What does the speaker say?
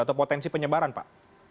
atau potensi penyebaran pak